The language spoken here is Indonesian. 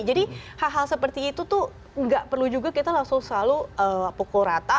jadi hal hal seperti itu tuh enggak perlu juga kita langsung selalu pukul rata